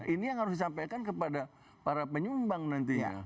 ini yang harus disampaikan kepada para penyumbang nantinya